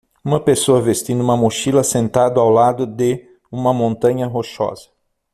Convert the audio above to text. uma pessoa vestindo uma mochila sentado ao lado de uma montanha rochosa.